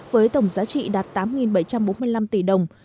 với tổng giá trị đạt tám bảy trăm bốn mươi năm tỷ đồng